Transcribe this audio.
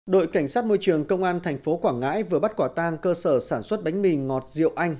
đội cảnh sát môi trường công an tp quảng ngãi vừa bắt quả tang cơ sở sản xuất bánh mì ngọt rượu anh